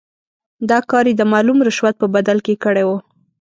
دا کار یې د معلوم رشوت په بدل کې کړی وو.